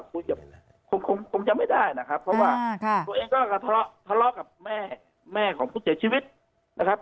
คงจะไม่ได้นะครับเพราะว่าตัวเองก็กระทะเลาะกับแม่แม่ของผู้เสียชีวิตนะครับ